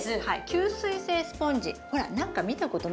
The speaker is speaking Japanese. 吸水性スポンジ。